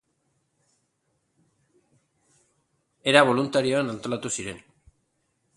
Era boluntarioan antolatu ziren.